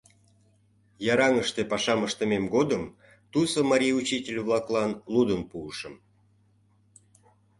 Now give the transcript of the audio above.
Яраҥыште пашам ыштымем годым, тусо марий учитель-влаклан лудын пуышым.